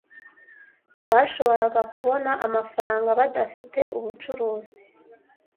Ntibashoboraga kubona amafaranga badafite ubucuruzi.